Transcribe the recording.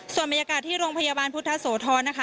ส่วนบรรยากาศที่โรงพยาบาลพุทธโสธรนะคะ